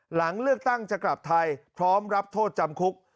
หลังเลือกตั้งจะกลับไทยพร้อมรับโทษจำคุก